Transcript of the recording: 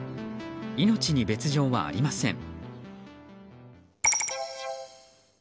命に別条はありません。